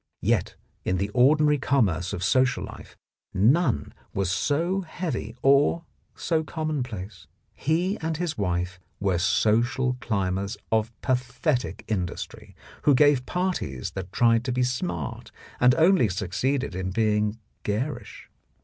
Yet in the ordinary commerce of social life none was so heavy or so commonplace. He and his wife were social climbers of pathetic industry, who gave parties that tried to be smart and only succeeded in being garish.